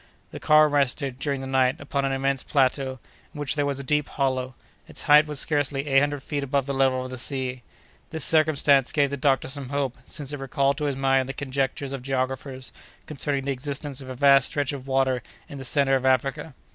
The car rested, during the night, upon an immense plateau, in which there was a deep hollow; its height was scarcely eight hundred feet above the level of the sea. This circumstance gave the doctor some hope, since it recalled to his mind the conjectures of geographers concerning the existence of a vast stretch of water in the centre of Africa.